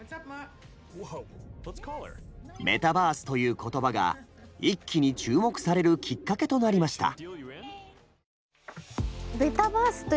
「メタバース」という言葉が一気に注目されるきっかけとなりました。